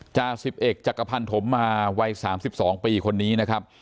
จาสิบเอกจักรพรรณฐมมาวัย๓๒ปีคนนี้นะครับ